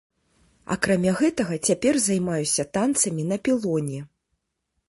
Акрамя гэтага цяпер займаюся танцамі на пілоне.